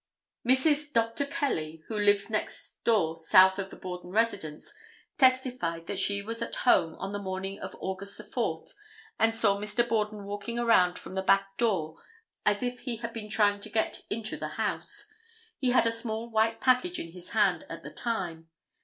Mrs. Dr. Kelly who lives next door south of the Borden residence, testified that she was at home on the morning of August 4th and saw Mr. Borden walking around from the back door as if he had been trying to get into the house. He had a small white package in his hand at the time.